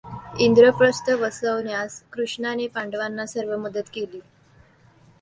इंद्रप्रस्थ वसवण्यास कृष्णाने पांडवांना सर्व मदत केली.